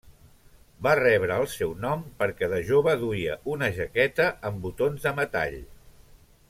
Va rebre el seu nom perquè de jove duia una jaqueta amb botons de metall.